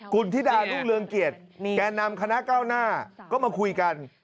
คุณธิดารุ่งเรืองเกียรติแก่นำคณะเก้าหน้าก็มาคุยกัน